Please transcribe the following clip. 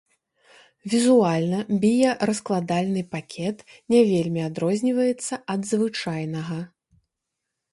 Візуальна біяраскладальны пакет не вельмі адрозніваецца ад звычайнага.